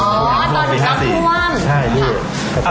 อ๋อตอนนี้น้ำท่วม